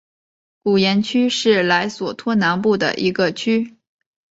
古廷区是莱索托南部的一个区。